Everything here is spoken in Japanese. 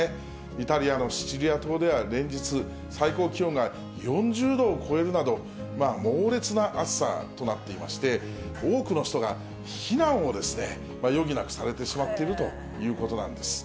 イタリアのシチリア島では連日、最高気温が４０度を超えるなど、猛烈な暑さとなっていまして、多くの人が避難を余儀なくされてしまっているということなんです。